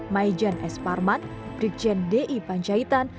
majen s parmat dikjen d i pancaitan